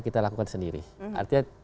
kita lakukan sendiri artinya